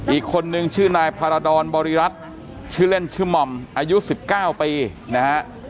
อีกคนนึงชื่อนายพารดรบริรัติชื่อเล่นชื่อหม่อมอายุ๑๙ปีนะฮะ